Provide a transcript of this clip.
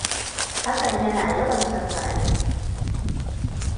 Hassan yana yawan canza aiki.